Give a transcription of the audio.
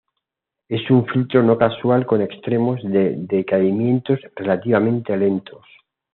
Es un filtro no causal con extremos de decaimiento relativamente lentos.